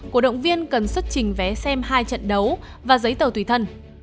cổ động viên cần xuất trình vé xem hai trận đấu và giấy tờ tùy thân